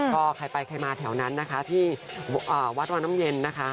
ก็ใครไปใครมาแถวนั้นนะคะที่วัดวังน้ำเย็นนะคะ